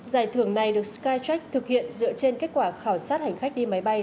giải thưởng này được skytrack thực hiện dựa trên kết quả khảo sát hành khách đi máy bay